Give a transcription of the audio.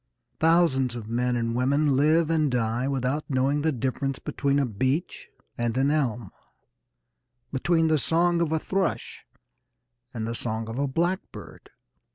Thousands of men and women live and die without knowing the difference between a beech and an elm, between the song of a thrush and the song of a blackbird.